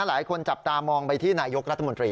หลายคนจับตามองไปที่นายกรัฐมนตรี